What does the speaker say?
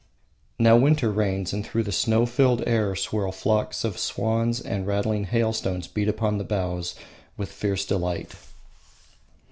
Now winter reigns, and through the snow filled air swirl flocks of swans and rattling hailstones beat upon the boughs with fierce delight.